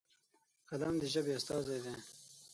قلم د ژبې استازی دی.